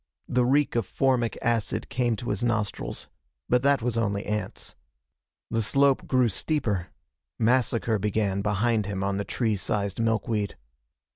The reek of formic acid came to his nostrils. But that was only ants. The slope grew steeper. Massacre began behind him on the tree sized milkweed.